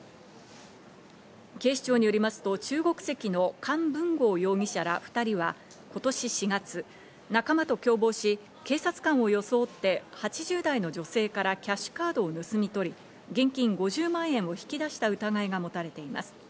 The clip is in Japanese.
警視庁によりますと中国籍のカン・ブンゴウ容疑者ら２人は今年４月、仲間と共謀し、警察官を装って８０代の女性からキャッシュカードを盗み取り、現金５０万円を引き出した疑いがもたれています。